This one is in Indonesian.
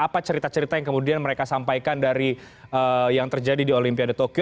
apa cerita cerita yang kemudian mereka sampaikan dari yang terjadi di olimpiade tokyo